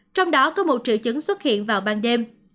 trong đó có một triệu chứng xuất hiện vào ban đêm